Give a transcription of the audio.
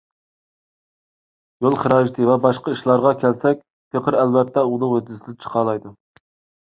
يول خىراجىتى ۋە باشقا ئىشلارغا كەلسەك، پېقىر ئەلۋەتتە ئۇنىڭ ھۆددىسىدىن چىقالايدۇ.